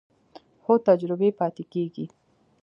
خو تجربې پاتې کېږي.